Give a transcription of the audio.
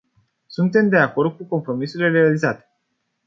Suntem de acord cu compromisurile realizate.